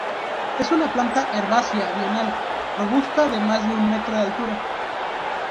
Es una planta herbácea bienal, robusta de más de un metro de altura.